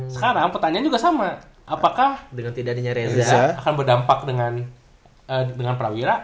sekarang pertanyaan juga sama apakah dengan tidak adanya reza akan berdampak dengan prawira